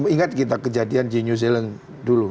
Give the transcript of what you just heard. ingat kita kejadian di new zealand dulu